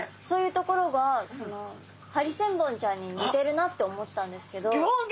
そういうところがハリセンボンちゃんに似てるなって思ったんですけど。